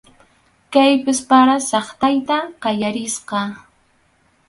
Kaypis para saqtayta qallarisqa.